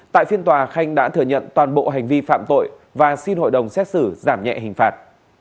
tại phiên tòa khanh đã thừa nhận toàn bộ hành vi phạm tội và xin hội đồng xét xử giảm nhẹ hình phạt